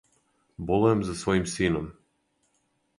Болујем за својим сином.